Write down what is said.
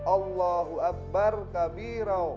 allahu akbar kabiraw